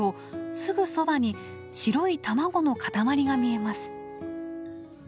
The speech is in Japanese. すぐそばに白い卵の塊が見えます。